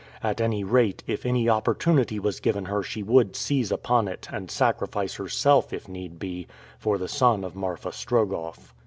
At any rate if any opportunity was given her she would seize upon it, and sacrifice herself, if need be, for the son of Marfa Strogoff.